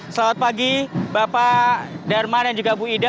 selamat pagi bapak dharma dan juga bu ida